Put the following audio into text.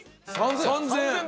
３０００円。